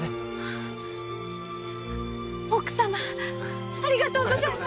奥様ありがとうございます！